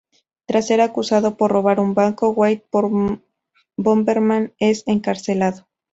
Tras ser acusado por robar un banco, White Bomberman es encarcelado.